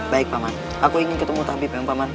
baik pak man aku ingin ketemu tabib pak man